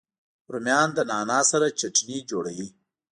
رومیان له نعنا سره چټني جوړوي